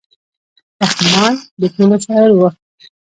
رحمان د ټولو شاعر و.